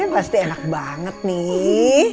pasti enak banget nih